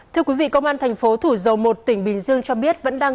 thưa quý vị công an tp thủ dầu một tỉnh bình dương cho biết